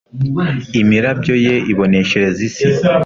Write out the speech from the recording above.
Imirabyo ye iboneshereza isi